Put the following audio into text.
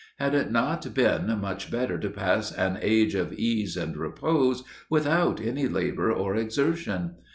Had it not been much better to pass an age of ease and repose without any labour or exertion?